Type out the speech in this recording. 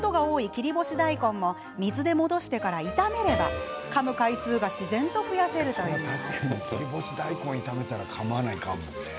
切り干し大根も水で戻してから炒めればかむ回数が自然と増やせるといいます。